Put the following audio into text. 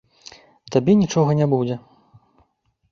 Табе нічога не будзе.